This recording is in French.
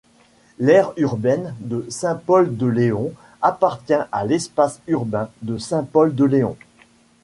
L'aire urbaine de Saint-Pol-de-Léon appartient à l'espace urbain de Saint-Pol-de-Léon.